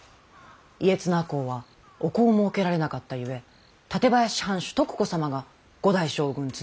家綱公はお子をもうけられなかったゆえ館林藩主徳子様が五代将軍綱吉公となられたのじゃ。